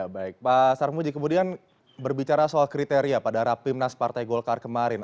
baik pak sarmuji kemudian berbicara soal kriteria pada rapimnas partai golkar kemarin